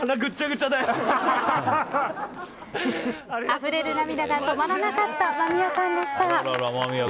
あふれる涙が止まらなかった間宮さんでした。